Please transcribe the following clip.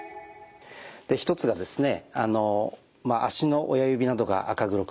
１つがですね